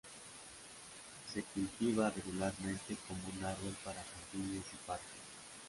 Se cultiva regularmente como un árbol para jardines y parques.